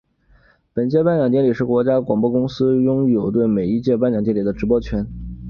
本届颁奖典礼是国家广播公司拥有对每一届颁奖典礼的直播权。